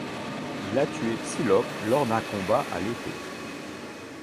Il a tué Psylocke lors d'un combat à l'épée.